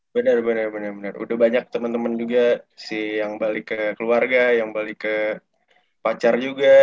bener bener udah banyak teman teman juga yang balik ke keluarga yang balik ke pacar juga